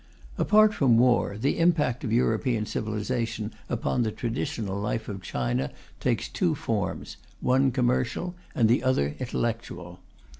Apart from war, the impact of European civilization upon the traditional life of China takes two forms, one commercial, the other intellectual.